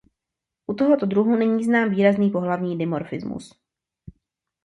U tohoto druhu není znám výrazný pohlavní dimorfismus.